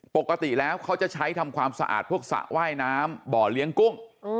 ปกติแล้วเขาจะใช้ทำความสะอาดพวกสระว่ายน้ำบ่อเลี้ยงกุ้ง